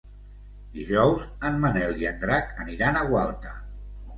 Dijous en Manel i en Drac aniran a Gualta.